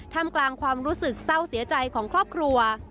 ทำกลางความรู้สึกเศร้าเสียใจของครอบครัว